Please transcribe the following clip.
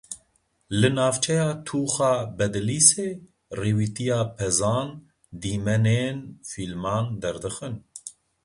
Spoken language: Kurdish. Li navçeya Tûxa Bedlîsê, rêwîtiya pezan, dîmenên fîlman derdixin.